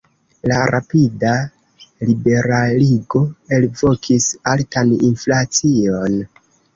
La rapida liberaligo elvokis altan inflacion.